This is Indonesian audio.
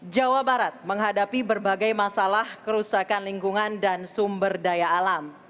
jawa barat menghadapi berbagai masalah kerusakan lingkungan dan sumber daya alam